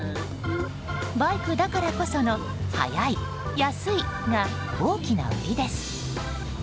バイクだからこその速い、安いが大きなウリです。